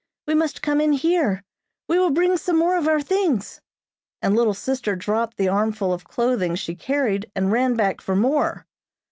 We must come in here. We will bring some more of our things," and little sister dropped the armful of clothing she carried and ran back for more.